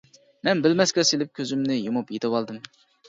مەن بىلمەسكە سېلىپ كۆزۈمنى يۇمۇپ يېتىۋالدىم.